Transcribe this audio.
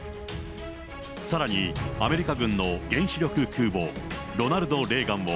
さらにアメリカ軍の原子力空母ロナルド・レーガンも、